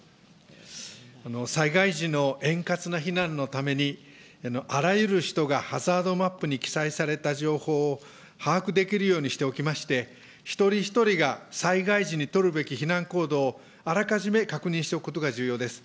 災害時の円滑な避難のために、あらゆる人がハザードマップに記載された情報を把握できるようにしておきまして、一人一人が災害時に取るべき避難行動を、あらかじめ確認しておくことが重要です。